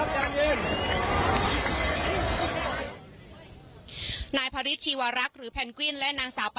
แกนำกลุ่มแนวร่วมธรรมศาสตร์และการชมหนุมได้ขึ้นรถขยายเสียงประกาศใช่